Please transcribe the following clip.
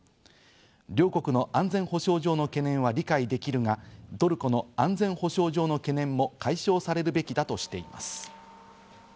両国の安全保障上の懸念は理解できるが、トルコの安全保障上の懸念も解消されるべきだとしています。